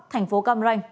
thành phố cam ranh